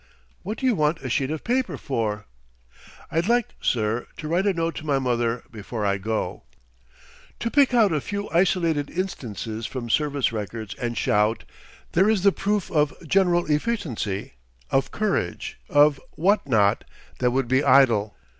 "What do you want a sheet of paper for?" "I'd like, sir, to write a note to my mother before I go." To pick out a few isolated instances from service records and shout: "There is the proof of general efficiency, of courage, of " whatnot that would be idle.